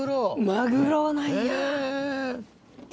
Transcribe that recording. マグロなんや。